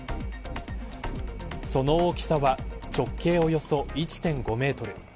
その大きさは直径およそ１．５メートル。